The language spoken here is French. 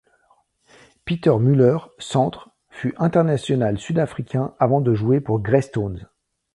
Pieter Muller, centre, fut international sud-africain avant de jouer pour Greystones.